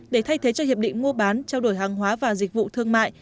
để thay thế cho hiệp định mua bán trao đổi hàng hóa và dịch vụ thương mại